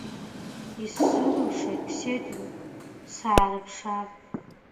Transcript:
Исзырушагь сеидру саарыԥшаар.